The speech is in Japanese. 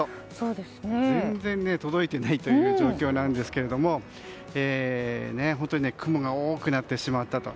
全然、届いてない状況なんですが雲が多くなってしまったと。